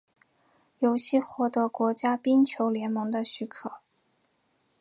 游戏获得国家冰球联盟的许可。